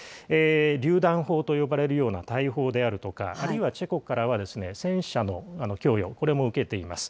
りゅう弾砲と呼ばれるような大砲であるとか、あるいはチェコからは、戦車の供与、これも受けています。